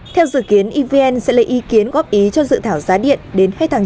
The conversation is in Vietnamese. theo dự kiến evn sẽ lấy ý kiến góp ý cho dự thảo giá điện đến hết tháng chín